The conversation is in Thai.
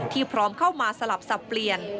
พร้อมเข้ามาสลับสับเปลี่ยน